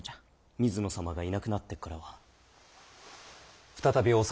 水野様がいなくなってからは再びお三の間にて雑事を。